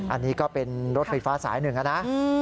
อันนี้ก็เป็นรถไฟฟ้าสายหนึ่งนะ